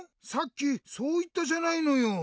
さっきそういったじゃないのよ！